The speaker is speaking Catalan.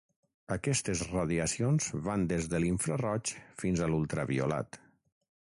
Aquestes radiacions van des de l'infraroig fins a l'ultraviolat.